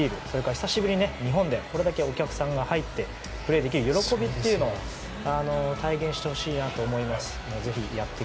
それから、久しぶりに日本でこれだけお客さんが入ってプレーできる喜びというのを体現してほしいなと思います。